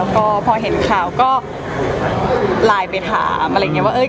แล้วก็พอเห็นข่าวก็ไลน์ไปถามอะไรอย่างนี้